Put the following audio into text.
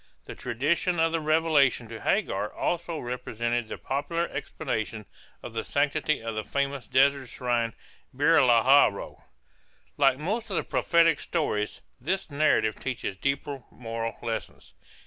The tradition of the revelation to Hagar also represented the popular explanation of the sanctity of the famous desert shrine Beer lahal roi. Like most of the prophetic stories, this narrative teaches deeper moral lessons.